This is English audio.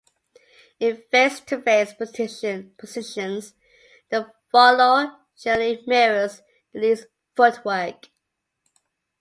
In face-to-face positions, the Follow generally "mirrors" the Lead's footwork.